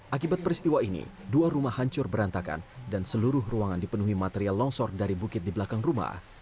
akibat peristiwa ini dua rumah hancur berantakan dan seluruh ruangan dipenuhi material longsor dari bukit di belakang rumah